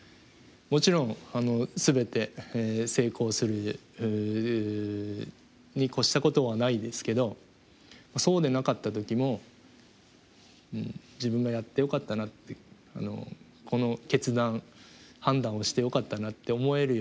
もちろん全て成功することに越したことはないですけどそうでなかった時も自分がやってよかったなってこの決断判断をしてよかったなって思えるようにしています。